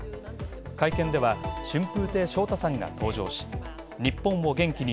会見では、春風亭昇太さんが登場し「日本を元気に！